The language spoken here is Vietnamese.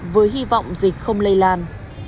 với hy vọng dịch không lây lan